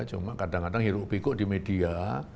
cuma kadang kadang hirup hikup di media